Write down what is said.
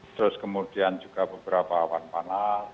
terus kemudian juga beberapa awan panas